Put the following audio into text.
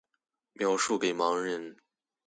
描述給盲人